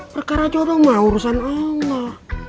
perkara jodoh mengurusan allah